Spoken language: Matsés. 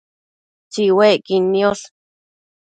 Tsiuecquid niosh